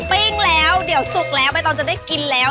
ปิ้งแล้วเดี๋ยวสุกแล้วใบตองจะได้กินแล้ว